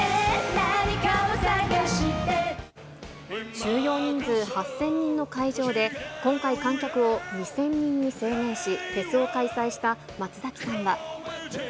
収容人数８０００人の会場で、今回、観客を２０００人に制限し、フェスを開催した松崎さんは。